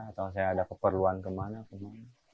atau saya ada keperluan kemana kemana